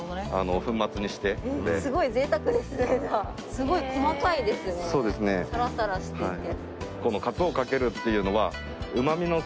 すごい細かいですねサラサラしていて。